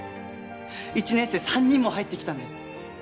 １年生３人も入ってきたんです。